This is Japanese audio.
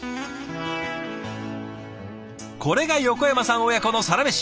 これが横山さん親子のサラメシ。